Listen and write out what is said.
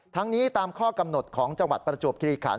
ทั้งนี้ตามข้อกำหนดของจังหวัดประจวบคิริขัน